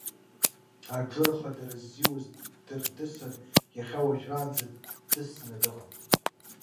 Аџыр хадара ззиуа ддырдысын иахьа уажәраанӡа ддысны дыҟан.